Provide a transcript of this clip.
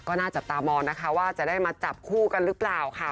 ก็น่าจับตามองนะคะว่าจะได้มาจับคู่กันหรือเปล่าค่ะ